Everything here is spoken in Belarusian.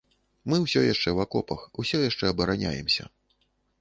Мы ўсё яшчэ ў акопах і ўсё яшчэ абараняемся.